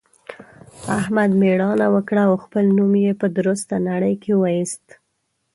احمد مېړانه وکړه او خپل نوم يې په درسته نړۍ کې واېست.